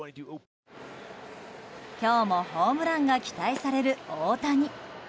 今日もホームランが期待される大谷。